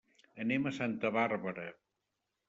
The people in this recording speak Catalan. Anem a Santa Bàrbara.